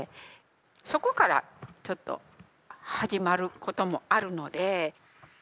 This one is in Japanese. そこからちょっと始まることもあるので。